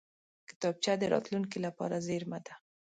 کتابچه د راتلونکې لپاره زېرمه ده